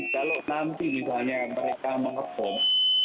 kalau nanti misalnya mereka mengebom